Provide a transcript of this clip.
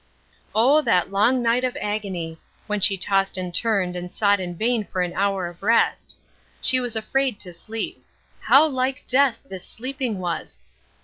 Oh, that long night of agony! when she tossed and turned and sought in vain for an hour of rest. She was afraid to sleep. How like death this sleeping was!